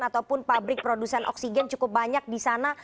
ataupun pabrik produksi oksigen cukup banyak disana